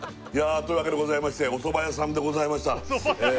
というわけでございましてお蕎麦屋さんでございました